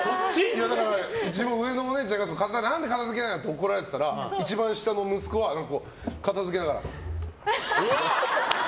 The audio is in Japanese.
上のお姉ちゃんが何で片付けないの？って怒られてたら、一番下の息子は片付けながら。